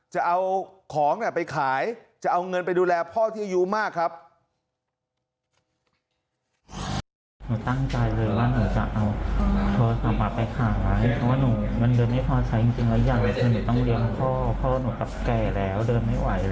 จะเอาของไปขายจะเอาเงินไปดูแลพ่อที่อายุมากครับ